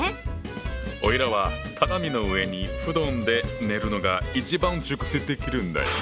おいらは畳の上に布団で寝るのが一番熟睡できるんだよ。